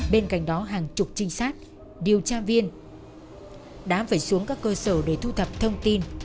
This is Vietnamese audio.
bên cạnh đó hàng chục trinh sát điều tra viên đã phải xuống các cơ sở để thu thập thông tin